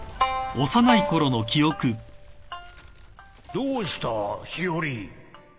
どうした？日和